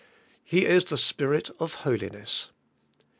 He is the Spirit of holiness.